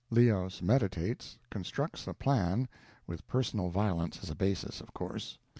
Leos meditates, constructs a plan with personal violence as a basis, of course.